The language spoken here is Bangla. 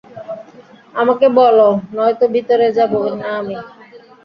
আমাকে বল নয়তো ভিতরে যাব না আমি।